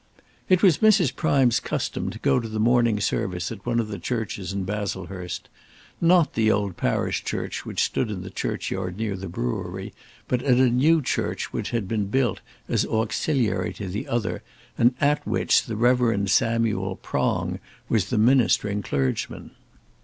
It was Mrs. Prime's custom to go to morning service at one of the churches in Baslehurst; not at the old parish church which stood in the churchyard near the brewery, but at a new church which had been built as auxiliary to the other, and at which the Rev. Samuel Prong was the ministering clergyman.